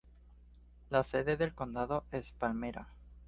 La sede del condado es Palmyra.